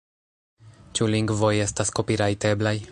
Ĉu lingvoj estas kopirajteblaj